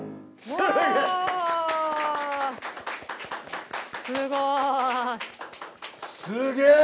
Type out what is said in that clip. すごーい！